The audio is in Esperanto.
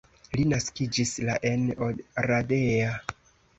Li naskiĝis la en Oradea.